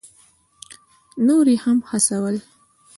نور یې هم هڅول.